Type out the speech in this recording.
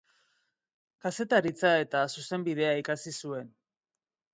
Kazetaritza eta Zuzenbidea ikasi zuen.